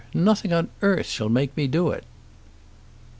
Nothing on earth shall make me do it."